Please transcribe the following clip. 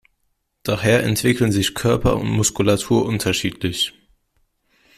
Daher entwickeln sich Körper und Muskulatur unterschiedlich.